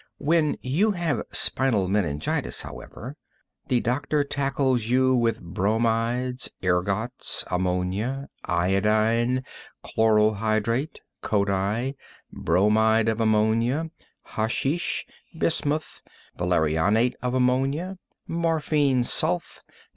When you have spinal meningitis, however, the doctor tackles you with bromides, ergots, ammonia, iodine, chloral hydrate, codi, bromide of ammonia, hasheesh, bismuth, valerianate of ammonia, morphine sulph.